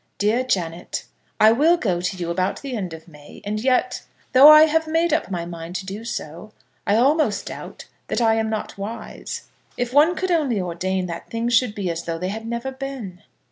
DEAR JANET, I will go to you about the end of May; and yet, though I have made up my mind to do so, I almost doubt that I am not wise. If one could only ordain that things should be as though they had never been!